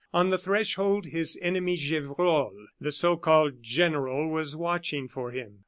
On the threshold his enemy Gevrol, the so called general, was watching for him.